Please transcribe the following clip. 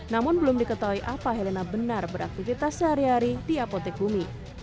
namun belum diketahui apa helena benar beraktivitas sehari hari di apotek bumi